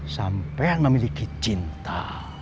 sampean memiliki cinta